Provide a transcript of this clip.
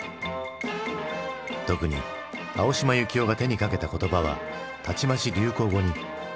特に青島幸男が手にかけた言葉はたちまち流行語に。